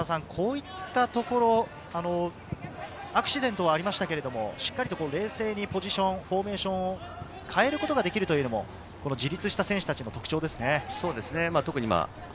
アクシデントはありましたが、しっかり冷静にフォーメーションを変えることができるというのも自立した選手たちの特徴ですね。